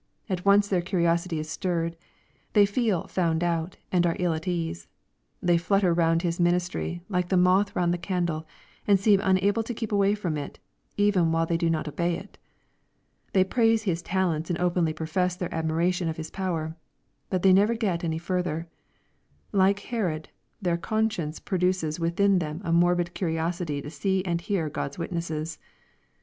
At once their curiosity is stirred. They feel "found out,'' and are ill at ease. They flutter round his ministry, like the moth round the candle, and seem unable to keep away from it, even while they do not obey it. They praise his talents and openly profess their admiration of his power. But they never get any further. Like Herod, their conscience produces within them a morbid curiosity to see and hear God's witnesses.